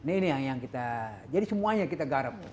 ini yang kita jadi semuanya kita garap